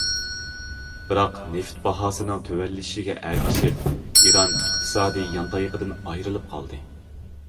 بىراق نېفىت باھاسىنىڭ تۆۋەنلىشىگە ئەگىشىپ، ئىران ئىقتىسادىي يان تايىقىدىن ئايرىلىپ قالدى.